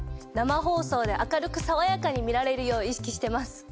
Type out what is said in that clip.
生放送で明るくさわやかに見られるよう意識してます。